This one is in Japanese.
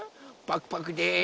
パクパクです。